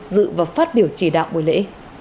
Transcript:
dự và phát biểu chỉ đạo buổi lễ